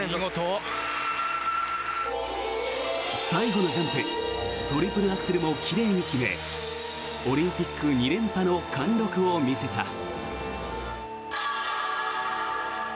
最後のジャンプトリプルアクセルも奇麗に決めオリンピック２連覇の貫禄を見せた。